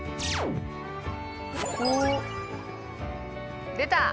おっ出た。